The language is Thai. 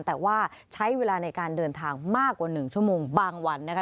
แต่ว่าใช้เวลาในการเดินทางมากกว่า๑ชั่วโมงบางวันนะคะ